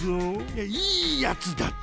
いやいいやつだった！